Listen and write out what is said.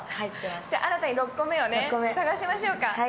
新たに６個目を探しましょうか。